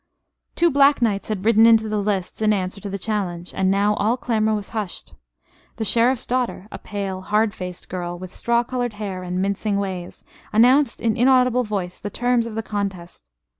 Two black knights had ridden into the lists in answer to the challenge; and now all clamor was hushed. The Sheriff's daughter, a pale, hard faced girl, with straw colored hair and mincing ways, announced in inaudible voice the terms of the contest.